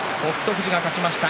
富士が勝ちました。